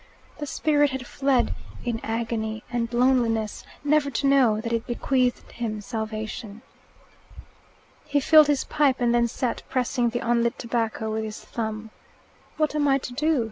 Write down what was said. The spirit had fled, in agony and loneliness, never to know that it bequeathed him salvation. He filled his pipe, and then sat pressing the unlit tobacco with his thumb. "What am I to do?"